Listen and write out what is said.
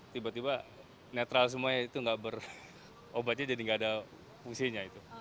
tiba tiba netral semuanya itu nggak berobatnya jadi nggak ada fungsinya itu